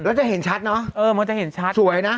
แล้วจะเห็นชัดเนอะสวยนะ